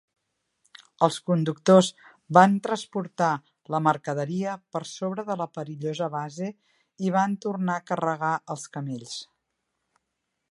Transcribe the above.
Els conductors van transportar la mercaderia per sobre de la perillosa base i van tornar a carregar els camells.